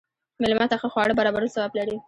مېلمه ته ښه خواړه برابرول ثواب لري.